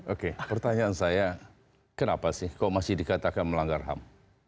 oke pertanyaan saya kenapa sih kok masih dikatakan melanggar ham